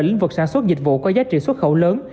lĩnh vực sản xuất dịch vụ có giá trị xuất khẩu lớn